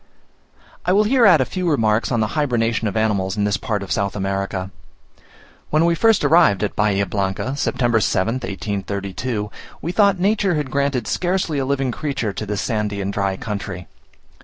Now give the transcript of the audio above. I will here add a few remarks on the hybernation of animals in this part of South America. When we first arrived at Bahia Blanca, September 7th, 1832, we thought nature had granted scarcely a living creature to this sandy and dry country.